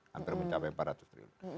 hampir mencapai empat ratus triliun